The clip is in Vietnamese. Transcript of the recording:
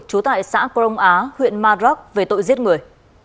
trú tại xã crong á huyện maroc về tội giết người